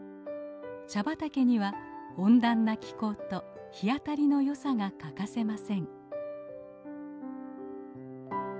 茶畑には温暖な気候と日当たりの良さが欠かせません。